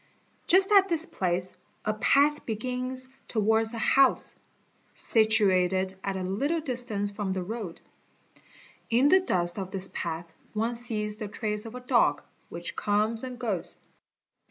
Just at this place 1 | path begins towards a house, situated at a little distance from the road. — In the dust of this path one sees the trace of a dog which comes and | goes.